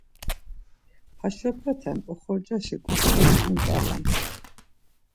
Haşopete oxorcaşi ǩusuri, unt̆alams.